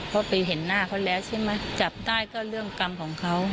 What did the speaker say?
เพราะไปเห็นหน้าเขาแล้วใช่ไหมจับได้ก็เรื่องกรรมของเขา